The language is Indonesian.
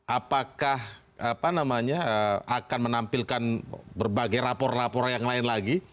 apakah akan menampilkan berbagai rapor rapor yang lain lagi